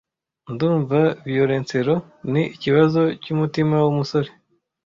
Ndumva violoncello, ('ni ikibazo cy'umutima w'umusore,)